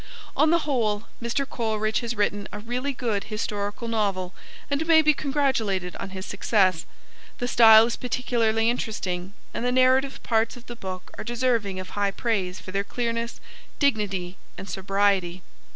On the whole, Mr. Coleridge has written a really good historical novel and may be congratulated on his success. The style is particularly interesting, and the narrative parts of the book are deserving of high praise for their clearness, dignity and sobriety.